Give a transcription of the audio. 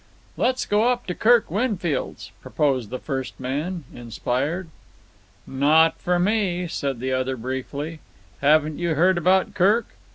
"Let's go up to Kirk Winfield's," proposed the first man, inspired. "Not for me," said the other briefly. "Haven't you heard about Kirk?